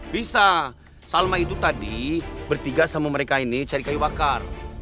bisa salma itu tadi bertiga sama mereka ini cari kayu bakar